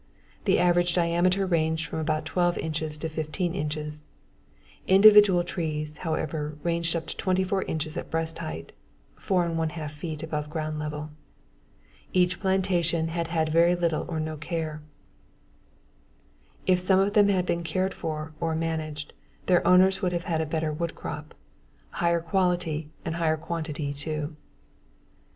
The average diameters ranged from about 12 inches to 15 inches. Individual trees, however, ranged up to 24 inches at breast height (4 1/2' above ground level). Each plantation had had very little or no care. If some of them had been cared for, or "managed", their owners would have had a better wood crop higher quality and higher quantity too.